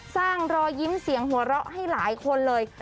รอยยิ้มเสียงหัวเราะให้หลายคนเลย